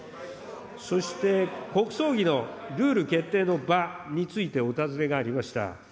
そして国葬議のルール決定の場についてお尋ねがありました。